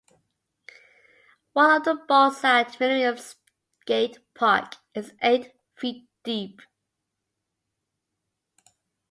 One of the bowls at Millennium Skate Park is eight feet deep.